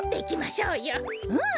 うん。